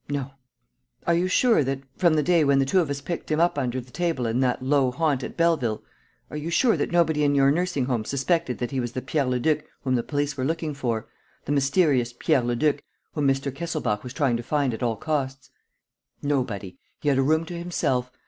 "No." "Are you sure that, from the day when the two of us picked him up under the table in that low haunt at Belleville, are you sure that nobody in your nursing home suspected that he was the Pierre Leduc whom the police were looking for, the mysterious Pierre Leduc whom Mr. Kesselbach was trying to find at all costs?" "Nobody. He had a room to himself.